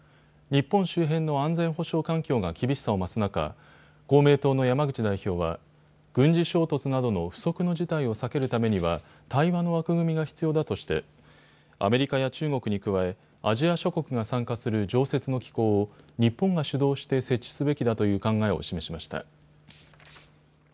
日本周辺の安全保障環境が厳しさを増す中、公明党の山口代表は軍事衝突などの不測の事態を避けるためには対話の枠組みが必要だとしてアメリカや中国に加えアジア諸国が参加する常設の機構を日本が主導して設置すべきだという考えを示しました。